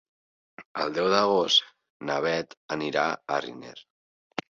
El deu d'agost na Beth anirà a Riner.